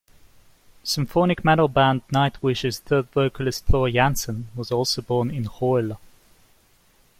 Symphonic metal band Nightwish's third vocalist Floor Jansen was also born in Goirle.